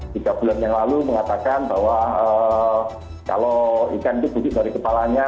tiga bulan yang lalu mengatakan bahwa kalau ikan itu butik dari kepalanya